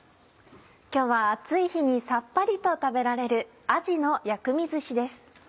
今日は暑い日にさっぱりと食べられる「あじの薬味ずし」です。